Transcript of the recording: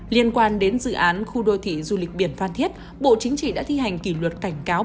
liên quan đến dự án khu đô thị du lịch biển phan thiết bộ chính trị đã thi hành kỷ luật cảnh cáo